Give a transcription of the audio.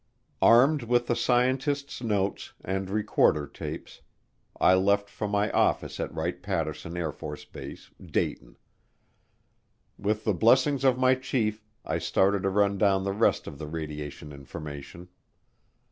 Armed with the scientist's notes and recorder tapes, I left for my office at Wright Patterson Air Force Base, Dayton. With the blessings of my chief, I started to run down the rest of the radiation information.